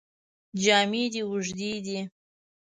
جامې دې اوږدې دي.